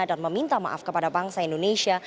dan meminta maaf kepada bangsa indonesia